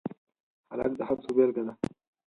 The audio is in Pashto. هلک د هڅو بیلګه ده.